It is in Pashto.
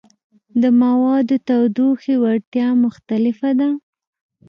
د موادو تودوخې وړتیا مختلفه ده.